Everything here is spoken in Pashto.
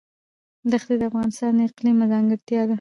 دښتې د افغانستان د اقلیم ځانګړتیا ده.